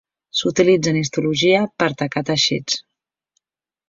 S'utilitza en histologia per tacar teixits.